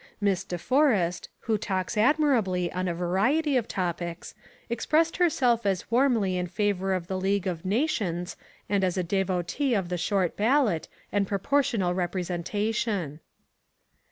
Miss De Forrest, who talks admirably on a variety of topics, expressed herself as warmly in favour of the League of Nations and as a devotee of the short ballot and proportional representation."